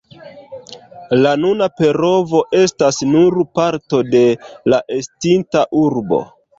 La nuna Perovo estas nur parto de la estinta urbo.